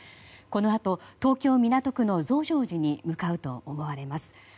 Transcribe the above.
このあと、東京・港区の増上寺に向かうとみられます。